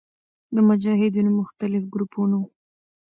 د مجاهدینو مختلف ګروپونو